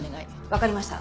わかりました。